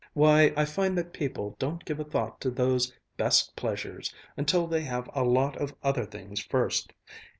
Why, I find that people don't give a thought to those 'best pleasures' until they have a lot of other things first.